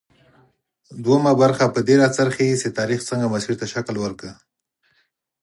دویمه برخه پر دې راڅرخي چې تاریخ څنګه مسیر ته شکل ورکړ.